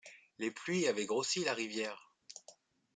Les pluies avaient grossi la rivière.